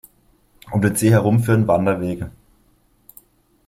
Um den See herum führen Wanderwege.